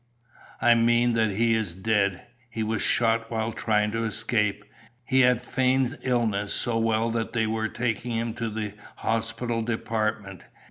"I mean that he is dead. He was shot while trying to escape. He had feigned illness so well that they were taking him to the hospital department.